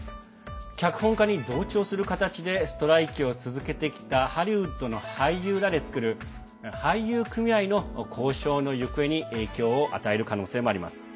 脚本家に同調する形でストライキを続けてきたハリウッドの俳優らで作る俳優組合の交渉の行方に影響を与える可能性もあります。